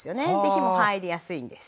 火も入りやすいんです。